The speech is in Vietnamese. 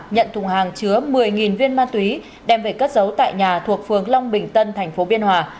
nhận thùng hàng chứa một mươi viên ma túy đem về cất giấu tại nhà thuộc phường long bình tân thành phố biên hòa